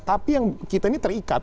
tapi yang kita ini terikat